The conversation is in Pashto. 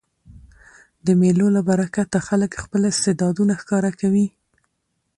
د مېلو له برکته خلک خپل استعدادونه ښکاره کوي.